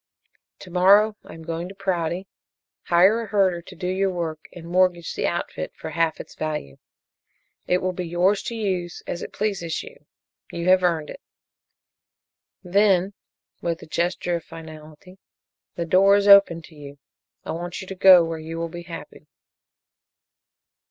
"To morrow I am going to Prouty, hire a herder to do your work and mortgage the outfit for half its value. It will be yours to use as it pleases you. You have earned it. Then," with a gesture of finality, "the door is open to you. I want you to go where you will be happy."